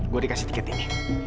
gue dikasih tiket ini